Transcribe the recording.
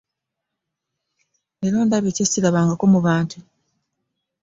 Leero ndabye kyesirabangako mu bantu.